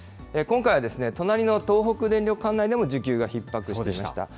今回は、隣の東北電力管内でも需給がひっ迫していました。